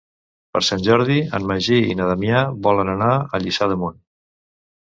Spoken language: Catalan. Per Sant Jordi en Magí i na Damià volen anar a Lliçà d'Amunt.